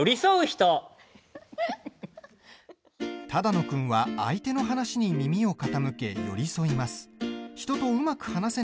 只野君は相手の話に耳を傾け寄り添います。